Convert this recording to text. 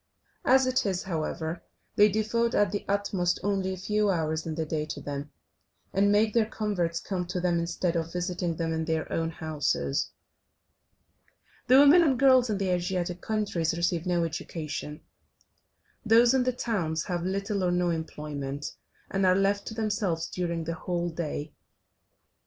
As it is, however, they devote at the utmost only a few hours in the day to them, and make their converts come to them, instead of visiting them in their own houses. The women and girls in the Asiatic countries receive no education, those in the towns have little or no employment, and are left to themselves during the whole day.